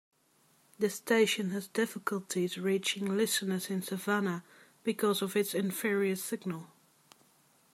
The station has difficulties reaching listeners in Savannah because of its inferior signal.